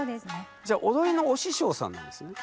じゃ踊りのお師匠さんなんですね？